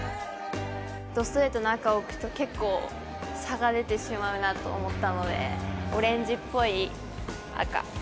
どストレートな赤置くと結構差が出てしまうなと思ったのでオレンジっぽい赤。